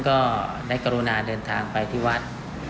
ก็ได้กรุณาเดินทางไปที่วัด